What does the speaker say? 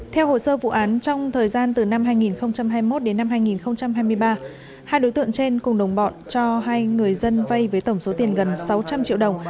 theo hồ sơ vụ án trong thời gian từ năm hai nghìn hai mươi một đến năm hai nghìn hai mươi ba hai đối tượng trên cùng đồng bọn cho hai người dân vay với tổng số tiền gần sáu trăm linh triệu đồng